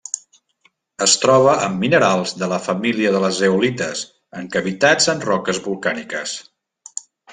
Es troba amb minerals de la família de les zeolites en cavitats en roques volcàniques.